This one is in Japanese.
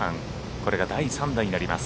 これが第３打になります。